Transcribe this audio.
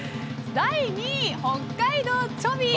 第２位、北海道チョび。